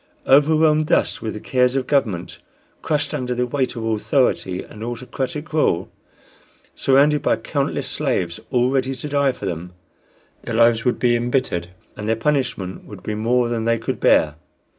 Overwhelmed thus with the cares of government, crushed under the weight of authority and autocratic rule, surrounded by countless slaves all ready to die for them, their lives would be embittered and their punishment would be more than they could bear.